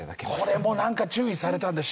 これもなんか注意されたんだよ。